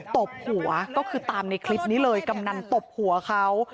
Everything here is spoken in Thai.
ตบหัวก็คือตามในคลิปนี้เลยกำนันตบหัวเขา